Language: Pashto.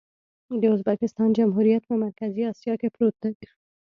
د ازبکستان جمهوریت په مرکزي اسیا کې پروت دی.